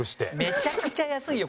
めちゃくちゃ安いよ